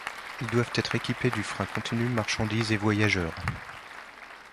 Ils doivent être équipés du frein continu marchandises et voyageurs.